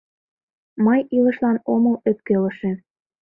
«Мый илышлан омыл ӧпкелыше...»